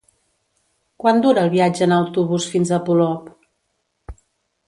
Quant dura el viatge en autobús fins a Polop?